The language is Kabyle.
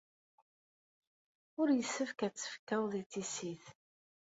Ur yessefk ad tt-tefkeḍ i tissit.